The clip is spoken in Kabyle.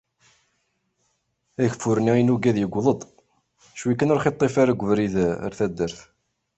Ageffur-nni i nugad, yewweḍ-d, cwi kan ur aɣ-iṭṭif ara deg ubrid ar taddert.